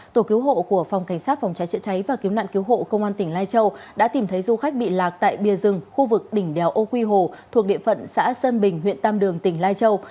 tổ cứu hộ của phòng cảnh sát phòng cháy chữa cháy và cứu nạn cứu hộ công an tỉnh lai châu đã tìm thấy du khách bị lạc tại bìa rừng khu vực đỉnh đèo âu quy hồ thuộc địa phận xã sơn bình huyện tam đường tỉnh lai châu